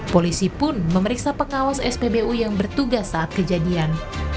polisi pun memeriksa pengawas spbu yang bertugas saat kejadian